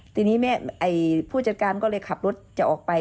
ทีนี้แม่ผู้จัดการก็เลยขับรถจะออกไป